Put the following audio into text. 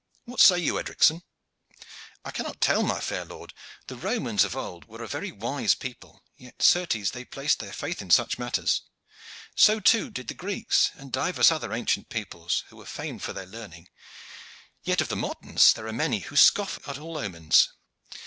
What say you, Edricson?" "I cannot tell, my fair lord. The Romans of old were a very wise people, yet, certes, they placed their faith in such matters. So, too, did the Greeks, and divers other ancient peoples who were famed for their learning. Yet of the moderns there are many who scoff at all omens."